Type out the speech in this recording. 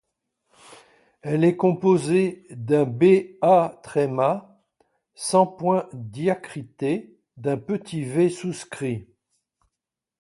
Elle est composée d’un bāʾ sans point diacrité d’un petit v souscrit.